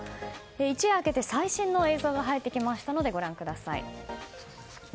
一夜明けて、最新の映像が入ってきましたのでご覧ください。